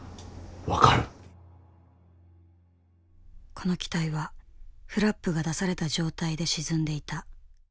この機体はフラップが出された状態で沈んでいた。